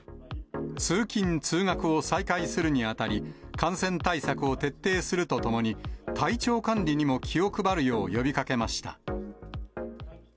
通勤・通学を再開するにあたり、感染対策を徹底するとともに、体調管理にも気を配るよう呼びかけました。